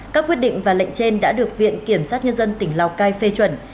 các quyết định và lệnh trên đã được viện kiểm sát nhân dân tỉnh lào cai phê chuẩn